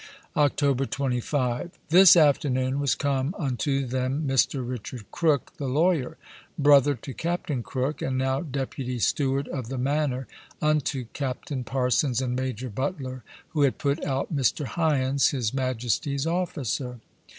October 25. This afternoon was come unto them Mr. Richard Crook the lawyer, brother to Captain Crook, and now deputy steward of the manner, unto Captain Parsons and Major Butler, who had put out Mr. Hyans, his majestie's officer.